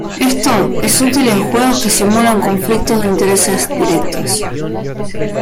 Esto es útil en juegos que simulan conflictos de intereses directos.